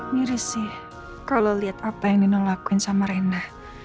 mirip sih kalau lihat apa yang nina lakuin sama reina